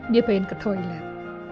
dia pengen ke toilet